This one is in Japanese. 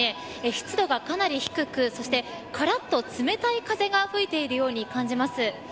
湿度がかなり低くそしてからっと冷たい風が吹いているように感じます。